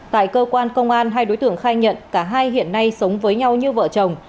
tại cơ quan công an hai đối tượng khai nhận cả hai hiện nay sống với nhau như vợ chồng